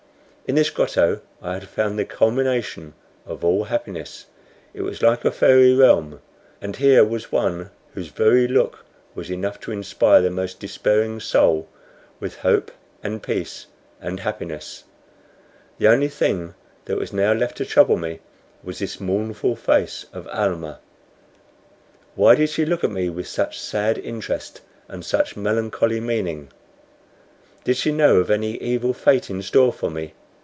In this grotto I had found the culmination of all happiness. It was like a fairy realm; and here was one whose very look was enough to inspire the most despairing soul with hope and peace and happiness. The only thing that was now left to trouble me was this mournful face of Almah. Why did she look at me with such sad interest and such melancholy meaning? Did she know of any evil fate in store for me?